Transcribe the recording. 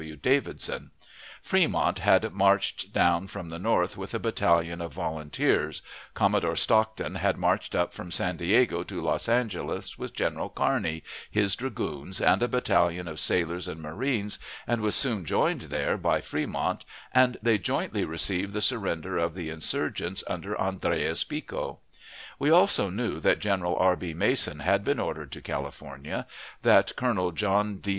W. Davidson. Fremont had marched down from the north with a battalion of volunteers; Commodore Stockton had marched up from San Diego to Los Angeles, with General Kearney, his dragoons, and a battalion of sailors and marines, and was soon joined there by Fremont, and they jointly received the surrender of the insurgents under Andreas Pico. We also knew that General R. B. Mason had been ordered to California; that Colonel John D.